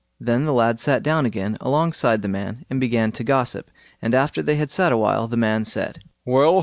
Then the lad sat down again alongside the man and began to gossip, and after they had sat a while, the man said, "Well!